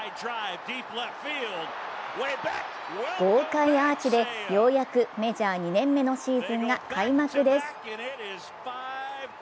豪快アーチでようやくメジャー２年目のシーズンが開幕です。